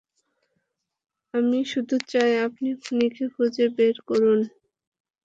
আমি শুধু চাই আপনি খুনিকে খুঁজে বের করুন।